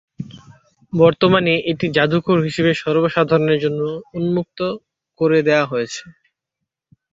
বর্তমানে এটি জাদুঘর হিসেবে সর্বসাধারণের জন্য উন্মুক্ত করে দেয়া হয়েছে।